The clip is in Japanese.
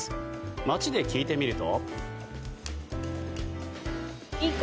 街で聞いてみると。